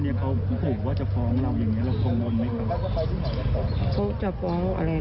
อย่างกรณีที่วันนั้นมีคุณแม่เอกชื่อของคนอื่นหนึ่ง